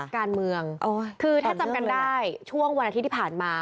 การเมืองคือถ้าจำกันได้ช่วงวันอาทิตย์ที่ผ่านมา